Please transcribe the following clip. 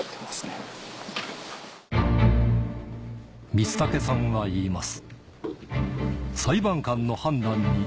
光武さんは言います